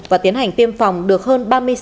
và tiến hành tiêm phòng được hơn